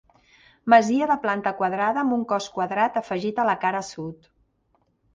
Masia de planta quadrada amb un cos quadrat afegit a la cara sud.